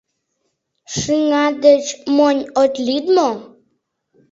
Шыҥа деч монь от лӱд мо?